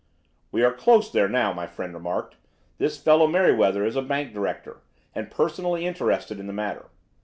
"We are close there now," my friend remarked. "This fellow Merryweather is a bank director, and personally interested in the matter.